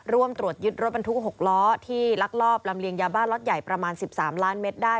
ร่วมตรวจยึดรถบรรทุก๖ล้อที่ลักลอบลำเลียงยาบ้าล็อตใหญ่ประมาณ๑๓ล้านเมตรได้